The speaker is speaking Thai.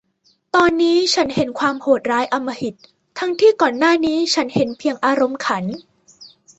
ตอนนี้ฉันเห็นความโหดร้ายอำมหิต ทั้งที่ก่อนหน้านี้ฉันเห็นเพียงอารมณ์ขัน